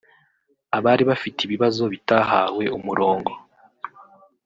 Abari bafite ibibazo bitahawe umurongo